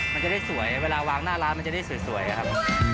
มันจะได้สวยเวลาวางหน้าร้านมันจะได้สวยอะครับ